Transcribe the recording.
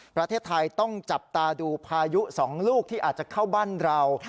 ประเทศไทยต้องจับตาดูพายุ๒ลูกที่อาจจะเข้าบ้านเรา